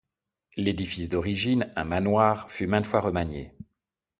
L'édifice d'origine, un manoir, fut maintes fois remanié.